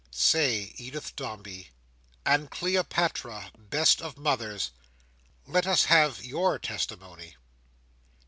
Say, Edith Dombey! And Cleopatra, best of mothers, let us have your testimony!